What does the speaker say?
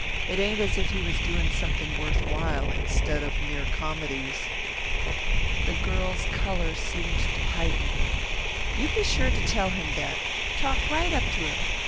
It ain't as if he was doing something worth while, instead of mere comedies." The girl's colour seemed to heighten. "You be sure to tell him that; talk right up to him.